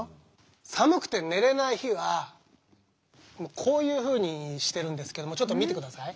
寒くて寝れない日はこういうふうにしてるんですけどもちょっと見てください。